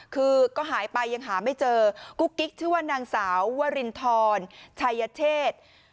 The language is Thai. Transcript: คือก็หายไปยังหาไม่เจอกุ๊กกิ๊กชื่อว่านางสาววรินทรชัยเชษ